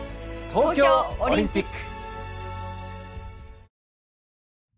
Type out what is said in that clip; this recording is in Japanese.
『東京オリンピック』。